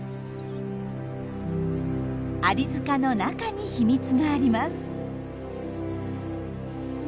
アリ塚の中に秘密があります。